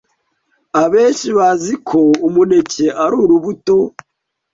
Abenshi bazi ko umuneke ari urubuto,